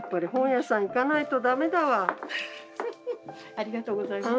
ありがとうございます。